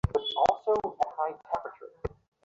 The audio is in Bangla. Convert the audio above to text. এই শহরের পাহাড়ি প্রকৃতি দারুণ।